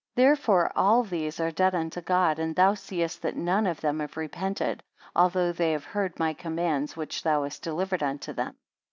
Therefore all these are dead unto God and thou seest that none of them have repented, although they have heard my commands which thou hast delivered unto them.